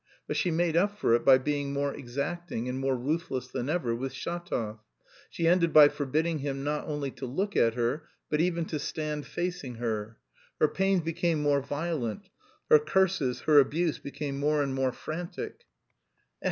But she made up for it by being more exacting and more ruthless than ever with Shatov. She ended by forbidding him not only to look at her but even to stand facing her. Her pains became more violent. Her curses, her abuse became more and more frantic.